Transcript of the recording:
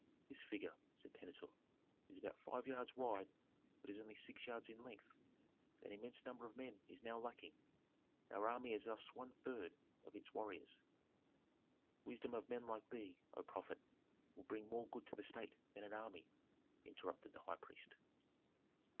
"This figure," said Pentuer, "is about five yards wide, but is only six yards in length. An immense number of men is now lacking, our army has lost one third of its warriors." "Wisdom of men like thee, O prophet, will bring more good to the state than an army," interrupted the high priest.